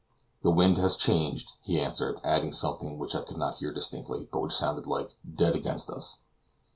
"The wind has changed," he answered, adding something which I could not hear distinctly, but which sounded like "dead against us."